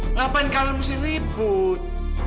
ngapain kalian mesti ribut